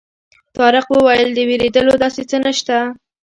طارق وویل د وېرېدلو داسې څه نه شته.